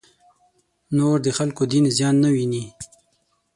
نور د خلکو دین زیان نه وویني.